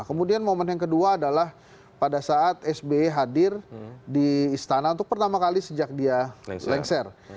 kemudian momen yang kedua adalah pada saat sby hadir di istana untuk pertama kali sejak dia lengser